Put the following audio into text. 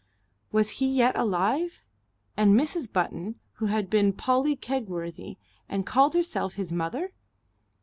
Was he yet alive? And Mrs. Button, who had been Polly Kegworthy and called herself his mother?